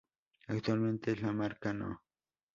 Actualmente es la Marca no.